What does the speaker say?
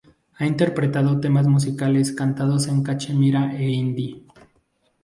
Ha interpretado temas musicales cantados en cachemira e hindi.